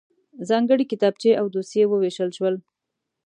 ځانګړی کتابچې او دوسيې وویشل شول.